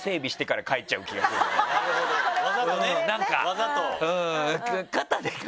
わざと。